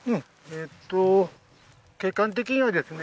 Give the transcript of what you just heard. えっと景観的にはですね